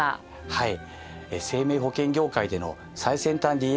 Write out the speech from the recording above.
はい。